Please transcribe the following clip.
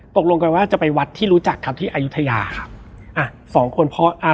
ตกลงไปว่าจะไปวัดที่รู้จักครับที่อายุทยาครับ